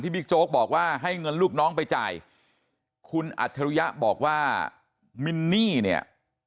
บิ๊กโจ๊กบอกว่าให้เงินลูกน้องไปจ่ายคุณอัจฉริยะบอกว่ามินนี่เนี่ย